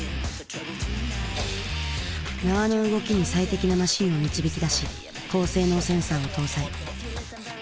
縄の動きに最適なマシンを導き出し高性能センサーを搭載。